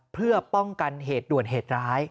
เพื่อป้องกันเหตุด่วนเหตุร้าย